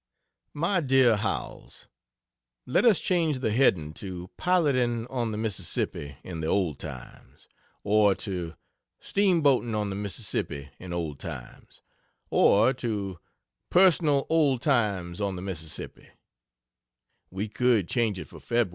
MY DEAR HOWELLS, Let us change the heading to "Piloting on the Miss in the Old Times" or to "Steamboating on the M. in Old Times" or to "Personal Old Times on the Miss." We could change it for Feb.